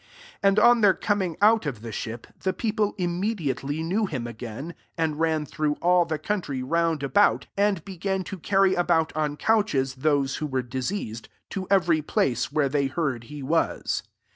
54 And on their coming out of the ship, the fie9fil€ immedi" ately knew him again, 55 and ran through all the country round about, and began to carry about on couchea those who were diseased, to every place where they heaird he was.